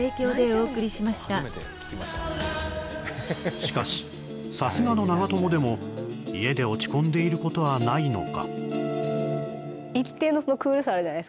しかし、さすがの長友でも家で落ち込んでいることはないのか？